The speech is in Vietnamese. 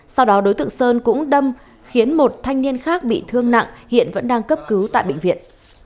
sau đó đối tượng sơn cũng đâm khiến một thanh niên khác bị thương nặng hiện vẫn đang cấp cứu tại bệnh viện